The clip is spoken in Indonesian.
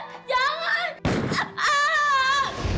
bi bi bangun bi